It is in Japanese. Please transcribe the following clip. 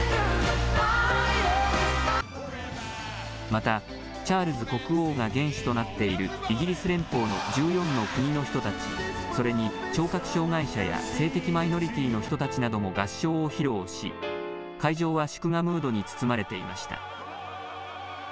また、チャールズ国王が元首となっている、イギリス連邦の１４の国の人たち、それに聴覚障害者や性的マイノリティーの人たちなども合唱を披露し、会場は祝賀ムードに包まれていました。